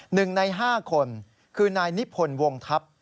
หนึ่งในห้าคนคือนายนิพนธ์วงทัพ